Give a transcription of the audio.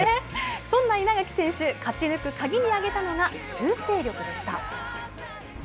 そんな稲垣選手、勝ち抜く鍵にあげたのが修正力でした。